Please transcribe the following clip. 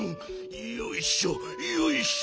よいしょよいしょ。